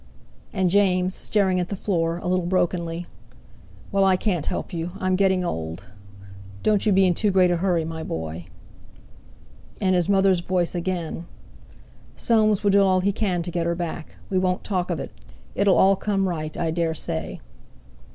And James, staring at the floor, a little brokenly: "Well, I can't help you; I'm getting old. Don't you be in too great a hurry, my boy." And his mother's voice again: "Soames will do all he can to get her back. We won't talk of it. It'll all come right, I dare say."